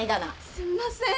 すんません。